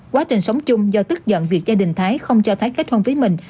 quá trình sống chung do tức giận việc gia đình thái không cho thấy kết hôn với mình